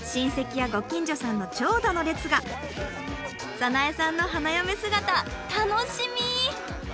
早苗さんの花嫁姿楽しみ！